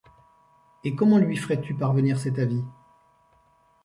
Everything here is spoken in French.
Et comment lui ferais-tu parvenir cet avis ?